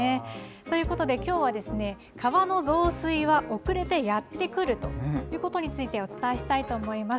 ということできょうは、川の増水は遅れてやって来るということについてお伝えしたいと思います。